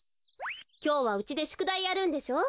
きょうはうちでしゅくだいやるんでしょ。